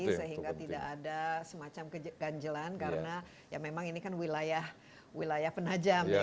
sehingga tidak ada semacam keganjelan karena ya memang ini kan wilayah penajam